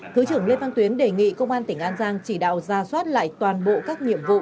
thứ trưởng lê văn tuyến đề nghị công an tỉnh an giang chỉ đạo ra soát lại toàn bộ các nhiệm vụ